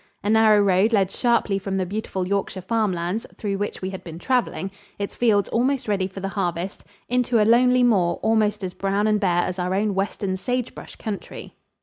A narrow road led sharply from the beautiful Yorkshire farm lands, through which we had been traveling, its fields almost ready for the harvest, into a lonely moor almost as brown and bare as our own western sagebrush country.